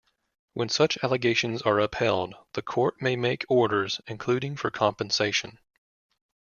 When such allegations are upheld, the court may make orders, including for compensation.